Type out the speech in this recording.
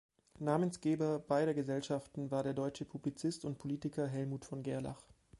Namensgeber beider Gesellschaften war der deutsche Publizist und Politiker Hellmut von Gerlach.